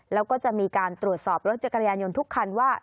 แล้วก็จะมีการตรวจสอบรถจักรยานยนต์ทุกคันว่า